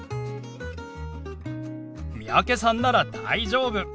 三宅さんなら大丈夫！